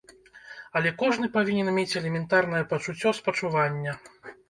Але кожны павінен мець элементарнае пачуццё спачування.